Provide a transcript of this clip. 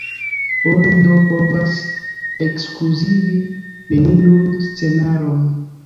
Oni do povas ekskluzivi neniun scenaron.